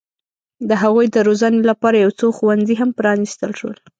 د هغوی د روزنې لپاره یو څو ښوونځي هم پرانستل شول.